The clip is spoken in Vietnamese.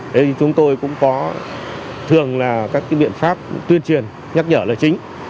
thế thì chúng tôi cũng có thường là các cái biện pháp tuyên truyền nhắc nhở là chính